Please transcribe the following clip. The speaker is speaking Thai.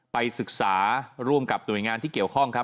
ไปศึกษาร่วมกับหน่วยงานที่เกี่ยวข้องครับ